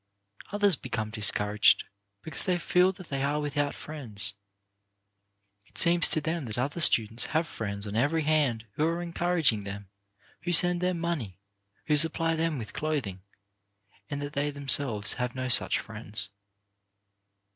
Others become discouraged because they feel that they are without friends. It seems to them that other students have friends on every hand who are encouraging them, who send them money, who supply them with clothing, and that they themselves have no such friends.